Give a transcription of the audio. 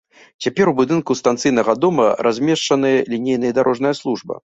Цяпер у будынку станцыйнага дома размешчаная лінейная дарожная служба.